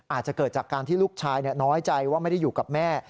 อาจจะเกิดจากการที่ลูกชายน้อยใจว่าไม่ได้อยู่กับแม่